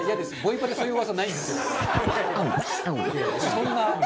そんな。